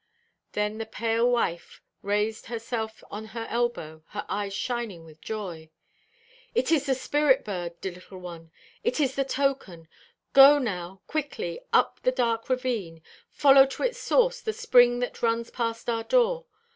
Then the pale wife raised herself on her elbow, her eyes shining with joy. "It is the spirit bird, dear little one; it is the token. Go now, quickly, up the dark ravine; follow to its source the spring that runs past our door.